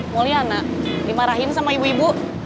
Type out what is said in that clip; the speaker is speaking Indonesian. mulyana dimarahin sama ibu ibu